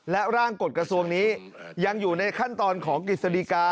และร่างกฎกระทรวงนี้ยังอยู่ในขั้นตอนของกฤษฎิกา